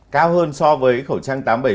cao hơn so với khẩu trang tám trăm bảy mươi